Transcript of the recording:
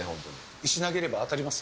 石投げれば当たりますよ